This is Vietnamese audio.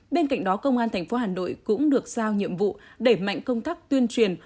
bên cạnh đó công an tp hà nội cũng được giao nhiệm vụ đẩy mạnh công tác tuyên truyền